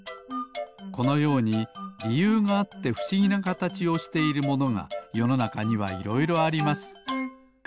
このようにりゆうがあってふしぎなかたちをしているものがよのなかにはいろいろあります。